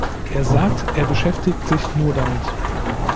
Er sagt, er beschäftigt sich nur damit.